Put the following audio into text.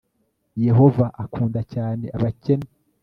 yehova akunda cyane abakene